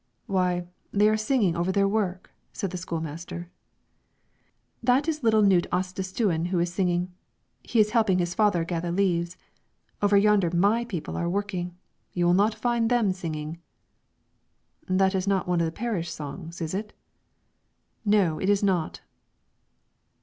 "Why, they are singing over their work," said the school master. "That is little Knut Ostistuen who is singing; he is helping his father gather leaves. Over yonder my people are working; you will not find them singing." "That is not one of the parish songs, is it?" "No, it is not."